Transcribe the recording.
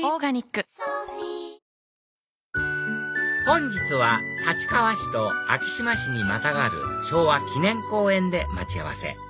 本日は立川市と昭島市にまたがる昭和記念公園で待ち合わせ